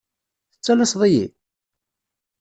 Tettalaseḍ-iyi?